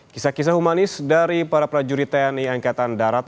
kisah kisah humanis dari para prajurit tni angkatan darat